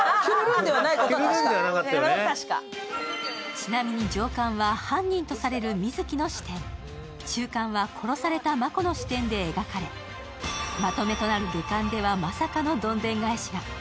ちなみに上巻は犯人とされる美月の視点、中巻は殺された真子の視点で描かれまとめとなる下巻ではまさかのどんでん返しが。